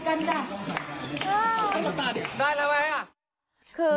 โอ้โหโอ้โหโอ้โห